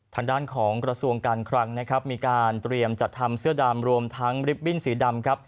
ทางด้านของกระทรวงการคลังนะครับมีการเตรียมจัดทำเสื้อดำรวมทั้งลิฟตบิ้นสีดำครับ